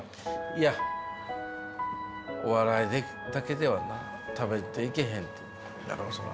いやお笑いだけでは食べていけへんやろそら。